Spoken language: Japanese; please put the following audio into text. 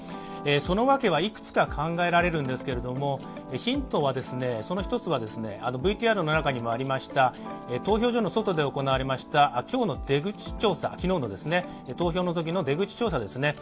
その訳はいくつか考えられるんですけどもヒントはその１つは、投票所の外で行われました、昨日の出口調査、投票のときの出口調査ですね。